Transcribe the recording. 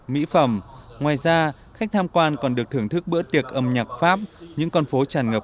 mỹ phẩm ngoài ra khách tham quan còn được thưởng thức bữa tiệc âm nhạc pháp những con phố tràn ngập